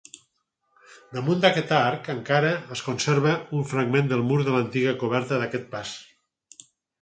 Damunt d'aquest arc encara es conserva un fragment de mur de l'antiga coberta d'aquest pas.